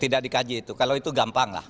tidak dikaji itu kalau itu gampang lah